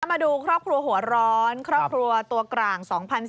มาดูครอบครัวหัวร้อนครอบครัวตัวกลาง๒๐๑๘